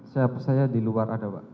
saya di luar ada